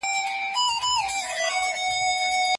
زوی به له سهاره ګرځېدلی وي.